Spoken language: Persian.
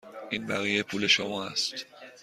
این بقیه پول شما است.